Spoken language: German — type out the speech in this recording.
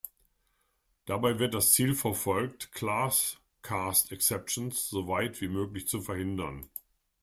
Dabei wird das Ziel verfolgt, Class-Cast-Exceptions so weit wie möglich zu verhindern.